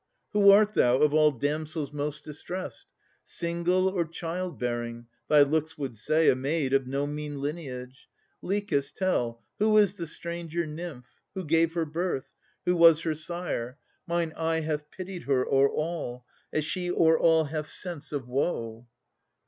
Who art thou, of all damsels most distressed? Single or child bearing? Thy looks would say, A maid, of no mean lineage. Lichas, tell, Who is the stranger nymph? Who gave her birth? Who was her sire? Mine eye hath pitied her O'er all, as she o'er all hath sense of woe.